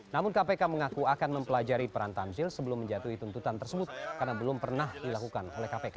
namun kpk mengaku akan mempelajari peran tamzil sebelum menjatuhi tuntutan tersebut karena belum pernah dilakukan oleh kpk